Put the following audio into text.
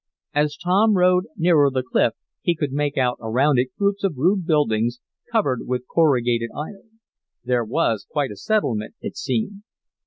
As Tom rode nearer the cliff he could make out around it groups of rude buildings, covered with corrugated iron. There was quite a settlement it seemed.